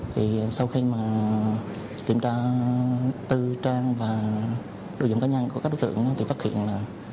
thì sau khi mà kiểm tra tư trang và đồ dụng cá nhân của các đối tượng thì phát hiện là